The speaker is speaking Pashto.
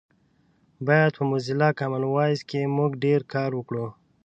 باید په موزیلا کامن وایس کې مونږ ډېر کار وکړو